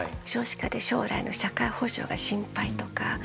少子化で将来の社会保障が心配とか。